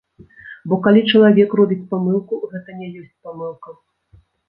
Бо калі чалавек робіць памылку, гэта не ёсць памылка.